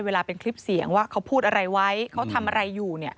เวลาเป็นคลิปเสียงว่าเขาพูดอะไรไว้เขาทำอะไรอยู่